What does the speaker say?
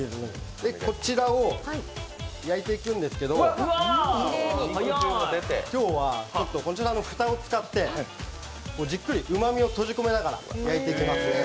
こちらを焼いていくんですけど、今日はこちらの蓋を使ってじっくりうまみを閉じ込めながら焼いていきますね。